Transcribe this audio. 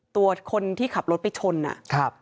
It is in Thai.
ตัวคนที่ขับรถไปชนอ่ะครับ